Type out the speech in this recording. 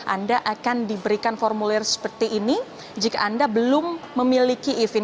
anda akan diberikan formulir seperti ini jika anda belum memiliki izin